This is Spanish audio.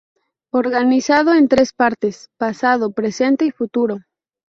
Organizado en tres partes, pasado, presente y futuro.